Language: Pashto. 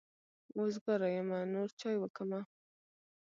وزګاره يمه نور چای وکمه.